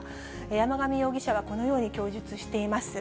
山上容疑者はこのように供述しています。